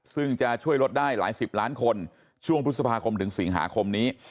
ซึ่งจะช่วยลดได้หลายสิบล้านคนช่วงพฤษภาคมถึงสิงหาคมนี้